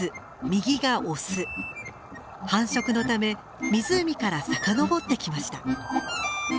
繁殖のため湖から遡ってきました。